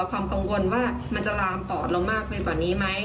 ความกังวลว่ามันจะลามปอดเรามากไปกว่านี้ไหม